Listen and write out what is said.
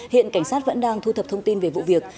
hiện cảnh sát vẫn đang thu thập thông tin về vụ việc